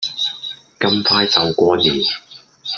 咁快就過年